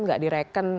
enggak di reken